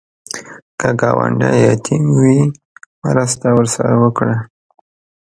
که ګاونډی یتیم وي، مرسته ورسره وکړه